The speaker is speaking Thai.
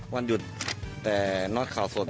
วันหยุดแต่น็อตข่าวสดไม่หยุด